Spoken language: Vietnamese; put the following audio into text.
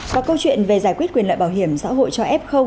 và câu chuyện về giải quyết quyền lợi bảo hiểm xã hội cho f